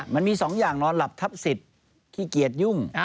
มันมี๒อย่างนอนหลับทับสิทธิ์ขี้เกียจยุ่ง